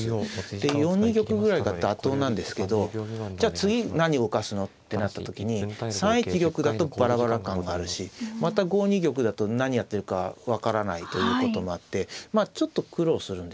で４二玉ぐらいが妥当なんですけど「じゃあ次何動かすの？」ってなった時に３一玉だとバラバラ感があるしまた５二玉だと何やってるか分からないということもあってちょっと苦労するんですね。